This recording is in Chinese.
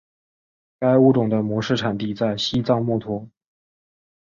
该物种的模式产地在西藏墨脱。